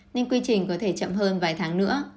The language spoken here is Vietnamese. nên quy trình có thể chậm hơn vài tháng nữa